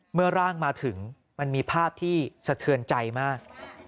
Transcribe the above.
ร่างมาถึงมันมีภาพที่สะเทือนใจมาก